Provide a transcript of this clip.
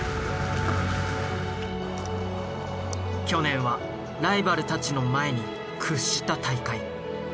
去年はライバルたちの前に屈した大会。